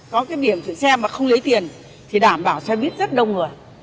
có cái điểm thì xe mà không lấy tiền thì đảm bảo xe buýt rất đông người